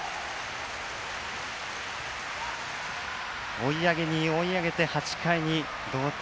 追い上げに追い上げて８回に同点。